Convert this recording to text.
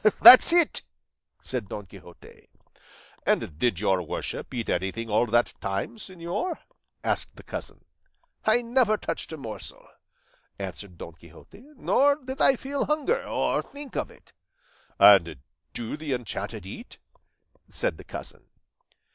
"That's it," said Don Quixote. "And did your worship eat anything all that time, señor?" asked the cousin. "I never touched a morsel," answered Don Quixote, "nor did I feel hunger, or think of it." "And do the enchanted eat?" said the cousin.